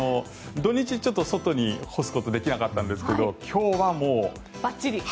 土日、ちょっと外に干すことができなかったんですが今日はもうバッチリ。